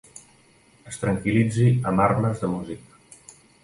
Es tranquil·litzi amb armes de músic.